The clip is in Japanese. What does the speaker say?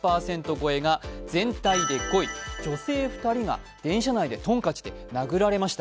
超えが全体で５位、女性２人が電車内でトンカチで殴られました。